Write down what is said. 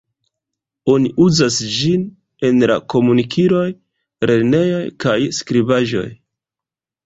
Oni uzas ĝin en la komunikiloj, lernejoj kaj skribaĵoj.